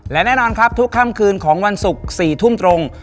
และแน่นอนครับทุกค่ำคืนของวันศุกร์๔ทุ่มตรง